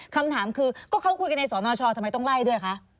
คำถามคือก็เขาคุยกันในสนชทำไมต้องไล่ด้วยคะ